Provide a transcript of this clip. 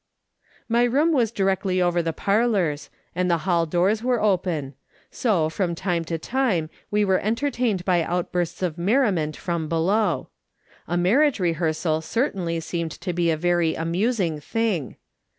]\Iy room was directly over the parlours, and the hall doors were open ; so from time to time we were entertained by outbursts of merriment from below. A marriage rehearsal certainly seemed to be a very amusing thing.